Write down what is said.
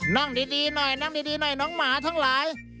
นั่งดีหน่อยน้องหมาทั้งหลาย